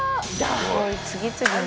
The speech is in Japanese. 「すごい次々に」